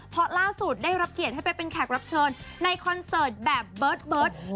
เพราะล่าสุดได้รับเกียรติให้ไปเป็นแขกรับเชิญในคอนเสิร์ตแบบเบิร์ต